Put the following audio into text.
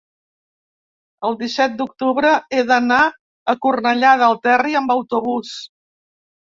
el disset d'octubre he d'anar a Cornellà del Terri amb autobús.